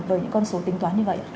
với những con số tính toán như vậy